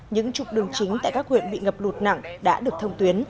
những trục đường chính tại các huyện bị ngập lụt nặng đã được thông tuyến